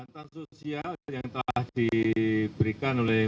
sangat banyak ada pkh